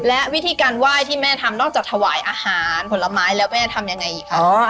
และวิธีการไหว้ที่แม่ทำนอกจากถวายอาหารผลไม้แล้วแม่ทำยังไงอีกคะ